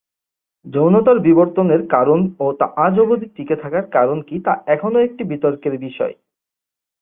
যৌনতার বিবর্তনের কারণ ও তা আজ অবধি টিকে থাকার কারণ কি তা এখনো একটি বিতর্কের বিষয়।